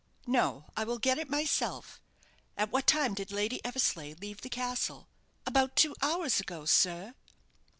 "No; I will get it myself. At what time did Lady Eversleigh leave the castle?" "About two hours ago, sir."